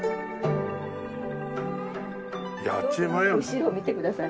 後ろ見てください。